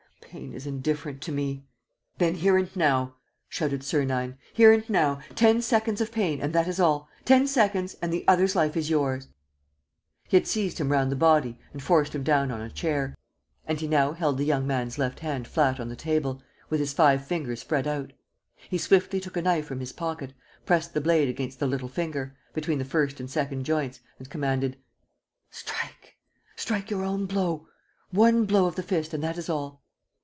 "Pain is indifferent to me." "Then here and now!" shouted Sernine. "Here and now! Ten seconds of pain and that is all. ... Ten seconds and the other's life is yours. ..." He had seized him round the body and forced him down on a chair; and he now held the young man's left hand flat on the table, with his five fingers spread out. He swiftly took a knife from his pocket, pressed the blade against the little finger, between the first and second joints, and commanded: "Strike! Strike your own blow. One blow of the fist and that is all!"